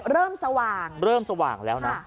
สว่างเริ่มสว่างแล้วนะ